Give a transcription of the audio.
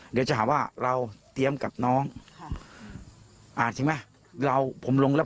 เดี๋ยวจะหาว่าเราเตรียมกับน้องค่ะอ่าใช่ไหมเราผมลงแล้ว